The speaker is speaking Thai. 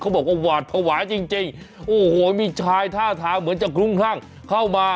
เขาบอกว่าหวัดภาวะจริงโอ้โหมีชายท่าทางเหมือนจะกรุงท่างเข้ามา